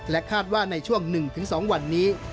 คาดว่าในช่วง๑๒วันนี้